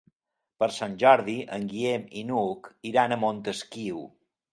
Per Sant Jordi en Guillem i n'Hug iran a Montesquiu.